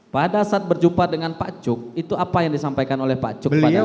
pada saat berjumpa dengan pak cuk itu apa yang disampaikan oleh pak cuk